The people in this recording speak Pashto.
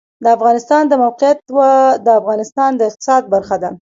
د افغانستان د موقعیت د افغانستان د اقتصاد برخه ده.